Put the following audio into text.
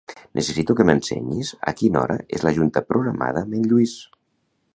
Necessito que m'ensenyis a quina hora és la junta programada amb en Lluís.